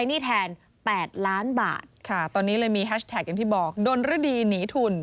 อย่างที่บอกโดนฤดีหนีทุน